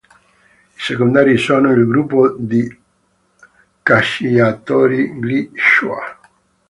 I secondari sono: il gruppo di cacciatori, gli shuar.